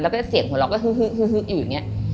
แล้วก็เสียงหัวเราก็ฮึกอยู่อย่างนี้